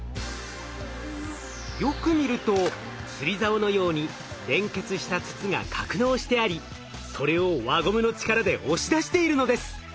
よく見ると釣りざおのように連結した筒が格納してありそれを輪ゴムの力で押し出しているのです。